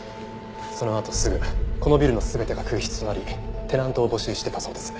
そのあとすぐこのビルの全てが空室となりテナントを募集してたそうです。